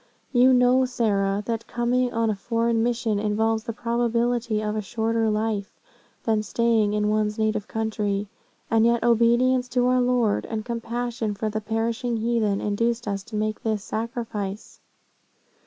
You know, Sarah, that coming on a foreign mission involves the probability of a shorter life, than staying in one's native country. And yet obedience to our Lord, and compassion for the perishing heathen, induced us to make this sacrifice.